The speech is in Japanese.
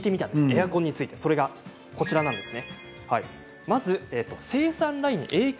エアコンについてそれがこちらです。